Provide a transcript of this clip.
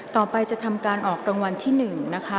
ต่อไปจะทำการออกรางวัลที่๑นะคะ